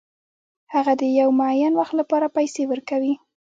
هغه د یو معین وخت لپاره پیسې ورکوي